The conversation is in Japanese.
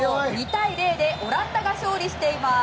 ２対０でオランダが勝利しています。